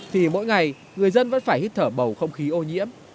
thì mỗi ngày người dân vẫn phải hít thở bầu không khí ô nhiễm